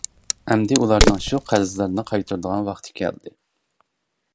ئەمدى ئۇلارنىڭ شۇ قەرزلەرنى قايتۇرىدىغان ۋاقتى كەلدى.